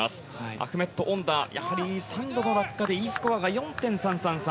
アフメット・オンダー３度の落下でＥスコアが４．３３３。